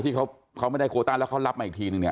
ที่เขาไม่ได้โคต้าแล้วเขารับมาอีกทีนึงเนี่ย